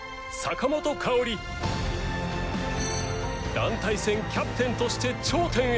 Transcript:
団体戦キャプテンとして頂点へ！